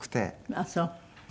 あっそう。